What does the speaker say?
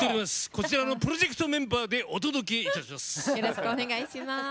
こちらのプロジェクトメンバーでお届けします。